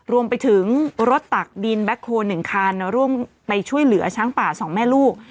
รวมไปถึงรถตักดีลแบ็คโค้นหนึ่งคันร่วมช่วยเหลือช้างป่าสองแม่ลูก